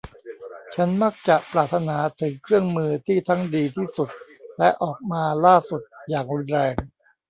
ฉันมักจะปรารถนาถึงเครื่องมือที่ทั้งดีที่สุดและออกมาล่าสุดอย่างรุนแรง